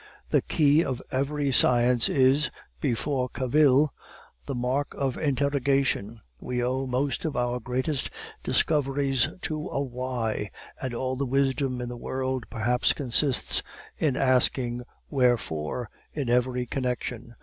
The key of every science is, beyond cavil, the mark of interrogation; we owe most of our greatest discoveries to a Why? and all the wisdom in the world, perhaps, consists in asking Wherefore? in every connection.